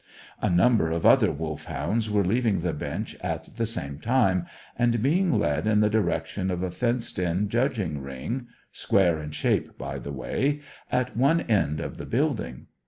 A number of other Wolfhounds were leaving the bench at the same time, and being led in the direction of a fenced in judging ring (square in shape, by the way) at one end of the building.